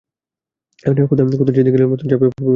কুত্তা, জেদী গরিলার মতো ঝাপিয়ে পড়ব এবার।